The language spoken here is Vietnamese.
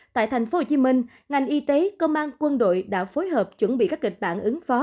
tại tp hcm ngành y tế công an quân đội đã phối hợp chuẩn bị các kịch bản ứng phó